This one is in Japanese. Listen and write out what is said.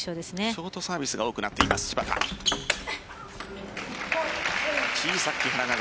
ショートサービスが多くなっている芝田。